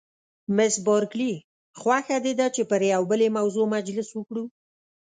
مس بارکلي: خوښه دې ده چې پر یوې بلې موضوع مجلس وکړو؟